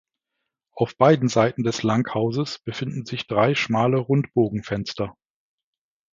Auf beiden Seiten des Langhauses befinden sich drei schmale Rundbogenfenster.